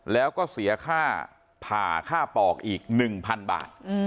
แล้วก็เสียค่าผ่าค่าปอกอีก๑๐๐๐บาท